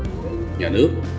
của nhà nước